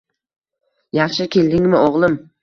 Yaxshi keldingmi, o`g`lim